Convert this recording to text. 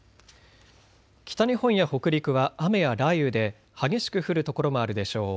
北日本や北陸は雨や雷雨で激しく降るところもあるでしょう。